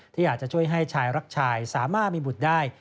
ที่อาจจะช่วยให้ชายรักชายสามารถมีบุตรได้